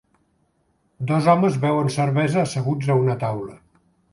Dos homes beuen cervesa asseguts a una taula